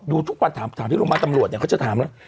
ทุกวันถามที่โรงพยาบาลตำรวจเนี่ยเขาจะถามแล้ว